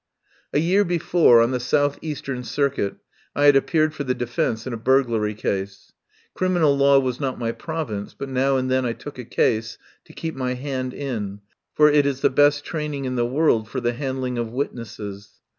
A year before, on the South Eastern Circuit, I had appeared for the defence in a burglary case. Criminal law was not my province, but now and then I took a case to keep my hand in, for it is the best training in the world for the handling of witnesses.